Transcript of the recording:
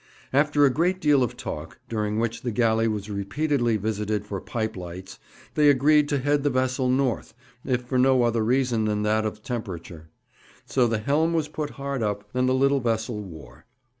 After a great deal of talk, during which the galley was repeatedly visited for pipe lights, they agreed to head the vessel north, if for no other reason than that of temperature. So the helm was put hard up, and the little vessel wore.